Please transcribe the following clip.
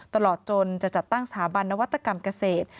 ตลอดจนจะจัดตั้งสถาบันนวัตกรรมเกษตร